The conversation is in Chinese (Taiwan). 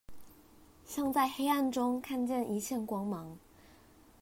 像在黑暗中看見一線光芒